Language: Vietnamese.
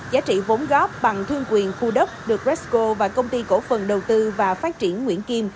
giá trị vốn góp bằng thương quyền khu đất được resco và công ty cổ phần đầu tư và phát triển nguyễn kim